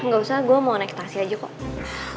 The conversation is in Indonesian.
gak usah gue mau naik taksi aja kok